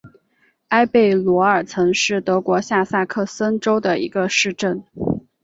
埃贝罗尔岑是德国下萨克森州的一个市镇。